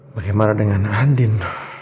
bagaimana dengan andin